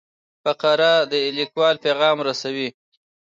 فقره د لیکوال پیغام رسوي.